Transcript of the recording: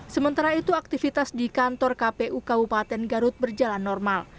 sementara itu aktivitas di kantor kpu kabupaten garut berjalan normal